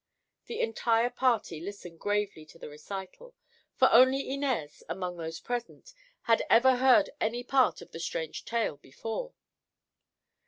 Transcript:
The entire party listened gravely to the recital, for only Inez, among those present, had ever heard any part of the strange tale before.